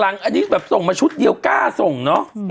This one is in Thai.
อันนี้แบบส่งมาชุดเดียวกล้าส่งเนอะ